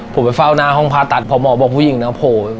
ผมไปเฝ้าหน้าห้องผ่าตัดพอหมอบอกผู้หญิงนะโผล่